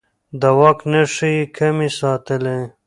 د واک نښې يې کمې ساتلې.